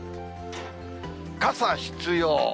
傘必要。